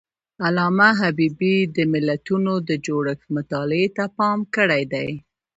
علامه حبيبي د ملتونو د جوړښت مطالعې ته پام کړی دی.